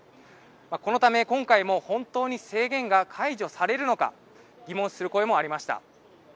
このため、今回も本当に制限が解除されるのか疑問視する声もありました。